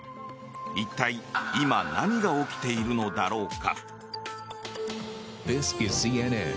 一体、今何が起きているのだろうか。